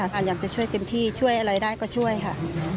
อยากจะช่วยเต็มที่ช่วยอะไรได้ก็ช่วยค่ะ